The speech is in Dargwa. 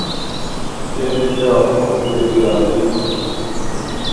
Лебилра урухкӀули биалли.